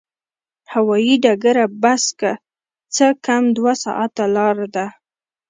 هوایي ډګره بس کې څه کم دوه ساعته لاره ده.